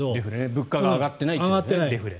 物価が上がってないデフレ。